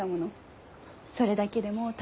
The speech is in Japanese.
それだけでもうたくさん。